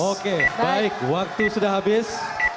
oke baik waktu sudah habis